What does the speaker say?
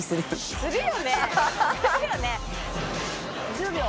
１０秒。